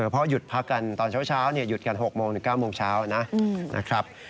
เพราะหยุดพักกันตอนเช้าหยุดกัน๖โมงถึง๙โมงเช้านะครับ